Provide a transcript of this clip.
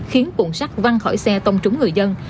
khiến cuộn xác văng khỏi xe tông trúng người dân